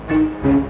bukan mau jual tanah